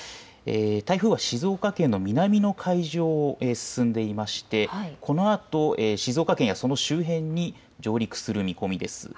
台風は静岡県の南の海上を進んでいましてこのあと静岡県やその周辺に上陸する見込みです。